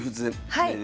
はい。